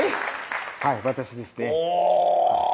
はい私ですねうわ！